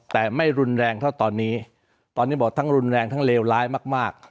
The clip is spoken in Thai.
แต่ไม่รุนแรงเท่าตอนนี้ตอนนี้บอกทั้งรุนแรงทั้งเลวร้ายมาก